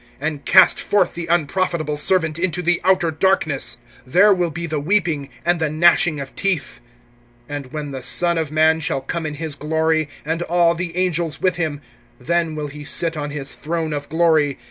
(30)And cast forth the unprofitable servant into the outer darkness. There will be the weeping, and the gnashing of teeth! (31)And when the Son of man shall come in his glory, and all the angels with him, then will he sit on his throne of glory.